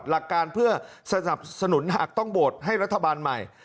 หลักการเพื่อสนับสนุนหากต้องโหวตให้รัฐบาลใหม่